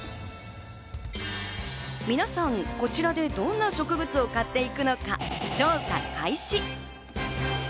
皆さん、こちらでどんな植物を買っていくのか調査開始。